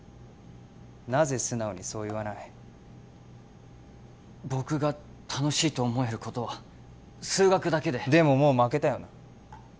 なぜ素直にそう言わない僕が楽しいと思えることは数学だけででももう負けたよな